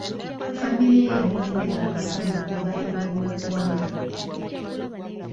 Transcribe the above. Famire ye yamwaniriza mu ssanyu okuva ebweru w'eggwanga.